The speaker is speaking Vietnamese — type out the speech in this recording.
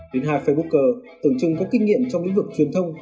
đến hai facebooker tưởng chừng có kinh nghiệm trong lĩnh vực truyền thông